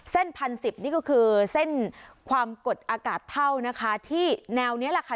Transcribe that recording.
เส้นพันสิบนี่ก็คือเส้นความกดอากาศเท่านะคะที่แนวนี้แหละค่ะ